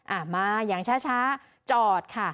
มาอย่างช้าจอดค่ะ